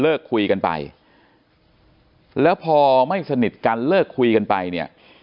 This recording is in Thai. คุยกันไปแล้วพอไม่สนิทกันเลิกคุยกันไปเนี่ย